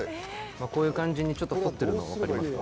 こういう感じにちょっと反ってるの分かりますか？